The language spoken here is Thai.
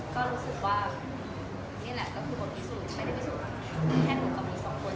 ก็รู้สึกว่านี่แหละก็คือบทพิสูจน์ไม่ได้พิสูจน์แค่หนูกับหนูสองคน